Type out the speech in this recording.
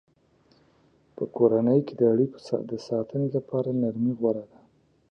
په کورنۍ کې د اړیکو د ساتنې لپاره نرمي غوره ده.